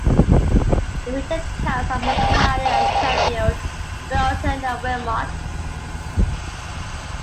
The major towns of the municipality are Sheffield, Railton and Wilmot.